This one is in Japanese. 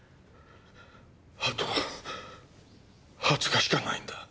あと２０日しかないんだ。